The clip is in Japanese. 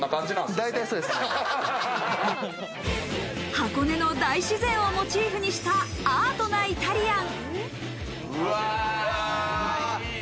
箱根の大自然をモチーフにしたアートなイタリアン。